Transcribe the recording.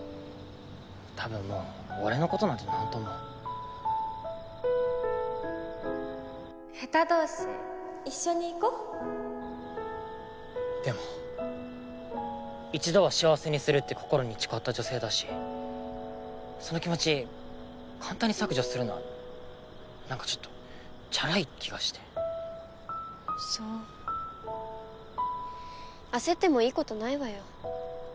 たぶんもう俺のことなんてなんとも下手どうし一緒にいこでも一度は幸せにするって心に誓った女性だしその気持ち簡単に削除するのはなんかちょっとチャラい気がしてそう焦ってもいいことないわよ